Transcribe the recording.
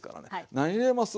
何入れます？